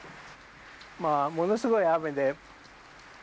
まぁものすごい雨で。